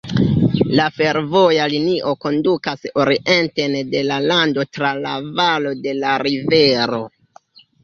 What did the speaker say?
La fervoja linio kondukas orienten de la lando tra la valo de la rivero.